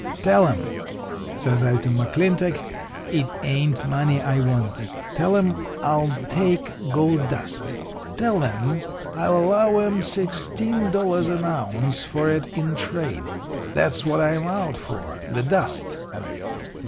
"'Tell 'em,' says I to McClintock, 'it ain't money I want tell 'em I'll take gold dust. Tell 'em I'll allow 'em sixteen dollars an ounce for it in trade. That's what I'm out for the dust.'